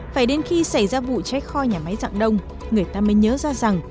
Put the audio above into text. phải đến khi xảy ra vụ cháy kho nhà máy dạng đông người ta mới nhớ ra rằng